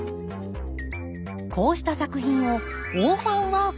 こうした作品をオーファンワークスといいます。